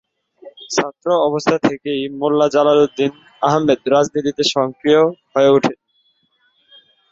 ছাত্র অবস্থা থেকেই মোল্লা জালাল উদ্দীন আহমেদ রাজনীতিতে সক্রিয় হয়ে উঠেন।